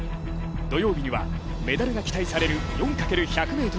土曜日にはメダルが期待される４×１００ｍリレー。